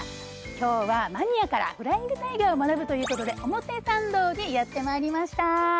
今日はマニアからフライングタイガーを学ぶということで表参道にやってまいりました